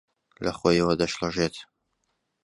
لەخۆیەوە دەشڵەژێت